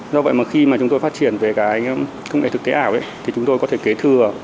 do vậy mà khi mà chúng tôi phát triển về cái công nghệ thực tế ảo thì chúng tôi có thể kế thừa